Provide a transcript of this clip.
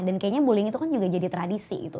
dan kayaknya bullying itu kan juga jadi tradisi gitu